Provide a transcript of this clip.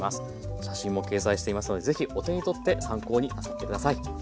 写真も掲載していますのでぜひお手に取って参考になさって下さい。